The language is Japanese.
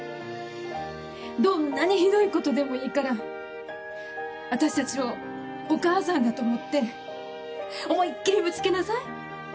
どんなにひどいことでもいいから私たちをお母さんだと思って思いっ切りぶつけなさい。